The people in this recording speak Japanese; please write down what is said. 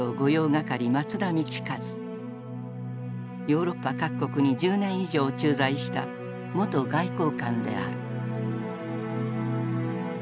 ヨーロッパ各国に１０年以上駐在した元外交官である。